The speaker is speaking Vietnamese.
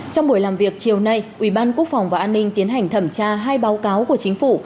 trong buổi làm việc chiều nay ủy ban quốc phòng và an ninh tiến hành thẩm tra hai báo cáo của chính phủ